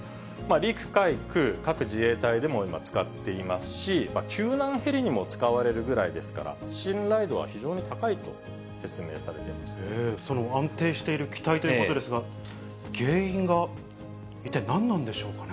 陸海空、各自衛隊でも今、使っていますし、救難ヘリにも使われるぐらいですから、信頼度は非常に高いと説明その安定している機体ということですが、原因が一体何なんでしょうかね。